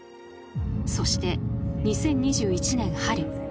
［そして２０２１年春］